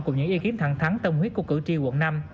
cùng những ý kiến thẳng thắng tâm huyết của cử tri quận năm